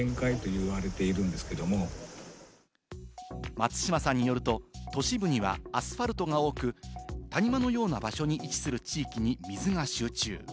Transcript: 松島さんによると、都市部にはアスファルトが多く、谷間のような場所に位置する地域に水が集中。